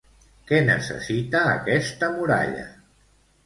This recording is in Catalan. Què necessita aquesta muralla?